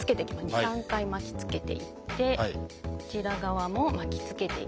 ２３回巻きつけていってこちら側も巻きつけていきます。